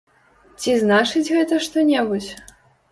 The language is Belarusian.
Ці значыць гэта што-небудзь?